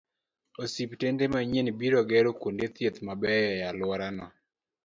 Osiptende manyien biro gero kuonde thieth mabeyo e alworano